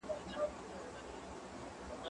زه به سبا انځورونه رسم کړم؟